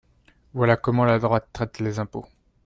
Voilà comment la droite traite les impôts